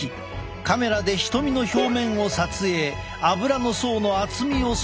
カメラで瞳の表面を撮影アブラの層の厚みを測定する。